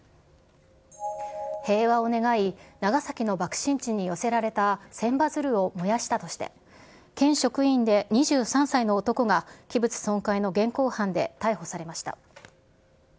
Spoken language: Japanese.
平和を願い、長崎の爆心地に寄せられた千羽鶴を燃やしたとして、県職員で２３歳の男が、器物損壊の現行犯で逮捕されました。